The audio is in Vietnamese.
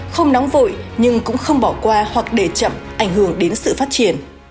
không nóng vội nhưng cũng không bỏ qua hoặc để chậm ảnh hưởng đến sự phát triển